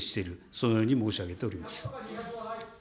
そのように申し上げております。